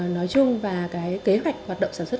nói chung và cái kế hoạch hoạt động sản xuất